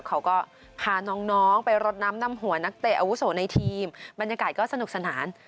เขาก็พาน้องไปรดน้ำนำหัวนักเตะอาวุโสในทีมบรรยากาศก็สนุกสนาน